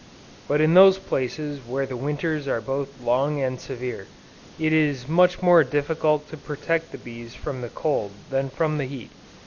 But in those places where the Winters are both long and severe, it is much more difficult to protect the bees from the cold than from the heat.